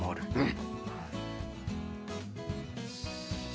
うん！